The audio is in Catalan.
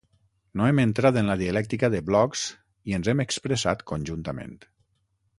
No hem entrat en la dialèctica de blocs i ens hem expressat conjuntament.